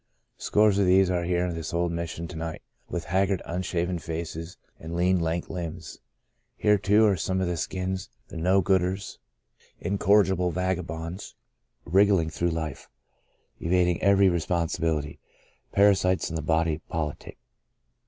Scores of these are here in this old Mission to night, with haggard, unshaven faces and lean, lank limbs. Here, too, are some of " the skins," the " no gooders "— incorrigible vagabonds, 58 The Breaking of the Bread wriggling through life, evading every re sponsibility — parasites on the body politic.